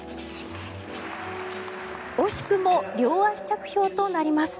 惜しくも両足着氷となります。